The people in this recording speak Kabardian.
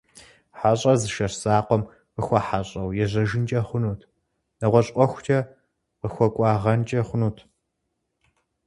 Хьэщӏэр зы жэщ закъуэм къыхуэхьэщӏэу ежьэжынкӏэ хъунут, нэгъуэщӏ ӏуэхукӏэ къыхуэкӏуагъэнкӏэ хъунут.